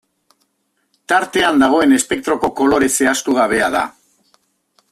Tartean dagoen espektroko kolore zehaztu gabea da.